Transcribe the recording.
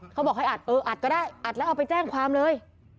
เขาบอกให้อัดเอออัดก็ได้อัดแล้วเอาไปแจ้งความเลย